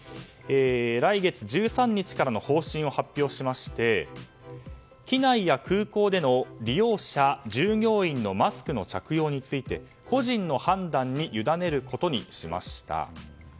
来月１３日からの方針を発表しまして機内や空港での利用者・従業員のマスクの着用について個人の判断に委ねることにしました。